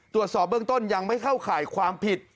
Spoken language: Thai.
ตรวจสอบเบื้องต้นยังไม่เข้าข่ายความผิด